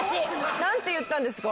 何て言ったんですか？